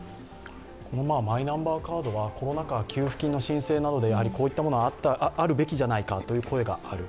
マイナンバーカードはコロナ禍、給付金の申請などでこういったものはあるべきじゃないかという声もある。